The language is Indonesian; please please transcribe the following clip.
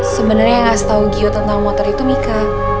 sebenarnya yang ngasih tahu gio tentang motor itu mika